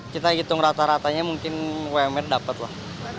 kita hitung rata ratanya mungkin umr dapat lah